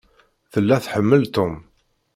Tella tḥemmel Tom.